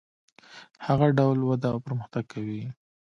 هغه ډول وده او پرمختګ کوي.